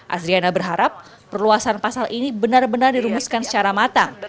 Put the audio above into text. azriana berharap perluasan pasal ini benar benar dirumuskan secara matang